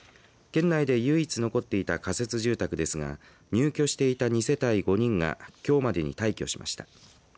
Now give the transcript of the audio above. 県内で唯一残っていた仮設住宅ですが入居していた２世帯５人がきょうまでに退去しました。